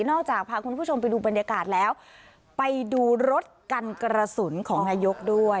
จากพาคุณผู้ชมไปดูบรรยากาศแล้วไปดูรถกันกระสุนของนายกด้วย